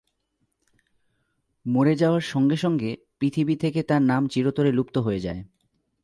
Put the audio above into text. মরে যাওয়ার সঙ্গে সঙ্গে পৃথিবী থেকে তাঁর নাম চিরতরে লুপ্ত হয়ে যায়।